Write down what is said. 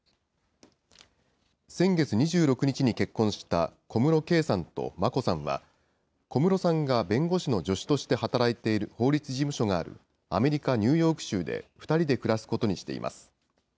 先月２６日に結婚した小室圭さんと眞子さんは、小室さんが弁護士の助手として働いている法律事務所があるアメリカ・ニューヨーク州で２人で暮らすことにしています。